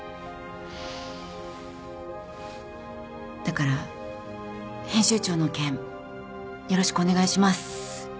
だから編集長の件よろしくお願いします。